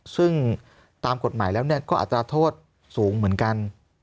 ซึ่งตามกฎหมายแล้วก็อัตราโทษสูงเหมือนกัน